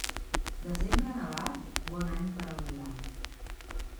Desembre nevat, bon any per al blat.